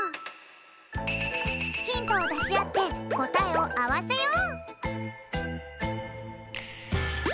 ヒントをだしあってこたえをあわせよう！